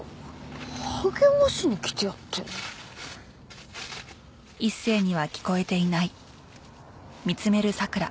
励ましに来てやってんのに。